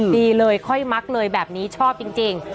ดีเลยค่อยมักเลยแบบนี้ชอบจริง